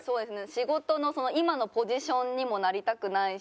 仕事の今のポジションにもなりたくないし。